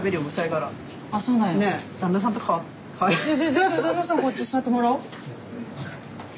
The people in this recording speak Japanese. じゃあ旦那さんこっち座ってもらおう。